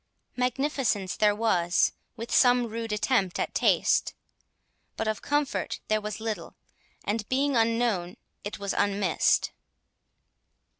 Magnificence there was, with some rude attempt at taste; but of comfort there was little, and, being unknown, it was unmissed.